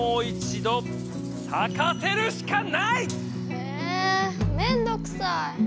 えぇめんどくさい！